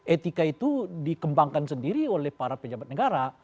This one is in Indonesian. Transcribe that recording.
etika itu dikembangkan sendiri oleh para pejabat negara